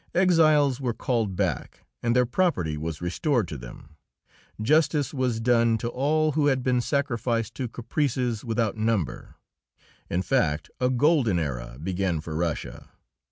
Exiles were called back, and their property was restored to them; justice was done to all who had been sacrificed to caprices without number. In fact, a golden era began for Russia.